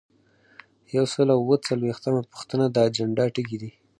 یو سل او اووه څلویښتمه پوښتنه د اجنډا ټکي دي.